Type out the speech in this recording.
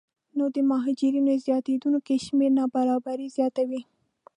نو د مهاجرینو زیاتېدونکی شمېر نابرابري زیاتوي